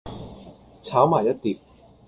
炒埋一碟